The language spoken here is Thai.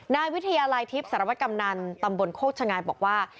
นายวิทยาลัยทิพย์สารวัตกำนันตำบลโคกชะงายบอกว่า